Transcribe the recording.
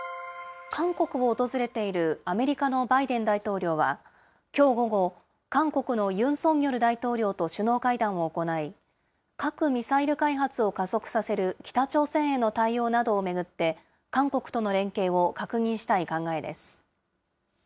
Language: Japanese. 韓国を訪れているアメリカのバイデン大統領は、きょう午後、韓国のユン・ソンニョル大統領と首脳会談を行い、核・ミサイル開発を加速させる北朝鮮への対応などを巡って、韓国との連携を確認したい考えです。